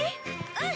うん！